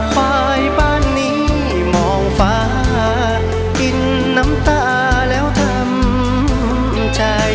ฝ่ายบ้านนี้มองฟ้ากินน้ำตาแล้วทำใจ